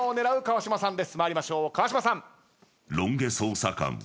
川島さん。